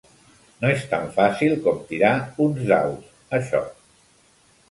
No és tan fàcil com tirar uns daus, això.